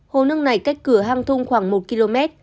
hồ nước này cách cửa hang thung khoảng một km